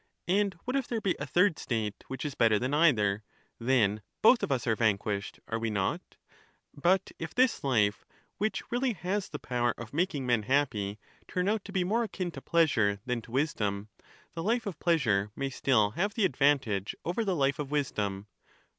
And what if there be a third state, which is better than either ? Then both of us are vanquished — are we not ? But if this life, which really has the power of making men happy, turn out to be more akin to pleasure than to wisdom, the life of pleasure may still have the advantage over the life of wisdom.